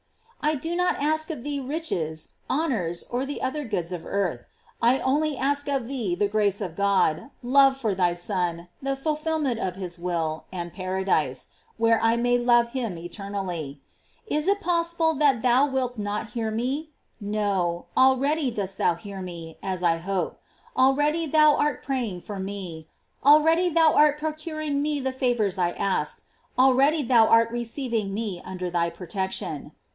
I do not ask of thee riches, honors, or the other goods of earth ; I only a&k of thee the grace of God, love for thy Son, the fulfilment of his will, and paradise, where I may love him eternally. Is it possible that thou wilt not hear me ? No, already thou dost hear me, as I hope ; already thou art praying for me, al« 142 GLORIES OF MARY. ready thou art procuring me the favors I ask, al ready thou art receiving me under thy protection.